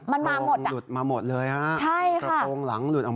กระโปรงหลุดมาหมดเลยครับ